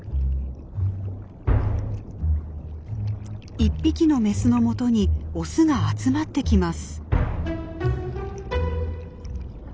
１匹のメスのもとにオスが集まってきます。